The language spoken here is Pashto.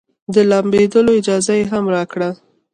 د لامبېدلو اجازه يې هم راکړه.